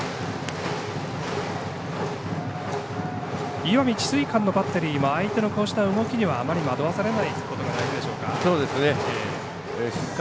石見智翠館のバッテリーは相手のこうした動きにはあまり惑わされないことが大事でしょうか。